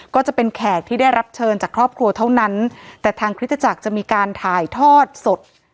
ก็จะเป็นแขกที่ได้รับเชิญจากครอบครัวเท่านั้นแต่ทางคริสตจักรจะมีการถ่ายทอดสด